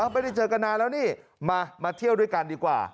ไม่ได้เจอกันนานแล้วนี่มาเที่ยวด้วยกันดีกว่า